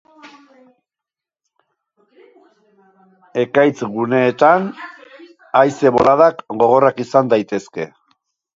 Ekaitz-guneetan, haize-boladak gogorrak izan daitezke.